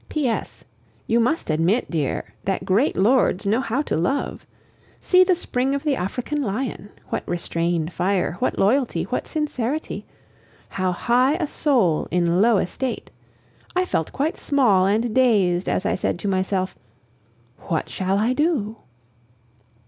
P. S. You must admit, dear, that great lords know how to love! See the spring of the African lion! What restrained fire! What loyalty! What sincerity! How high a soul in low estate! I felt quite small and dazed as I said to myself, "What shall I do?"